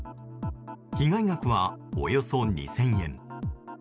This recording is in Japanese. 被害額はおよそ２０００円。